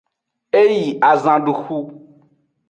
E yi azanduxu.